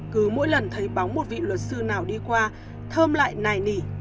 cứ mỗi lần thấy bóng một vị luật sư nào đi qua thơm lại nài nỉ